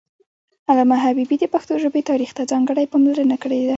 علامه حبيبي د پښتو ژبې تاریخ ته ځانګړې پاملرنه کړې ده